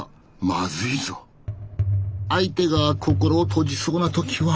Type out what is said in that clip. まずいぞ相手が心を閉じそうな時は。